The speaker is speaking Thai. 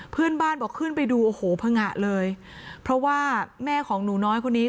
เพื่อนบ้านบอกขึ้นไปดูโอ้โหพังงะเลยเพราะว่าแม่ของหนูน้อยคนนี้